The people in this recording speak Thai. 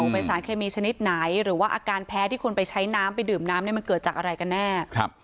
เป็นสารเคมีชนิดไหนหรือว่าอาการแพ้ที่คนไปใช้น้ำไปดื่มน้ำเนี่ยมันเกิดจากอะไรกันแน่